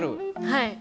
はい。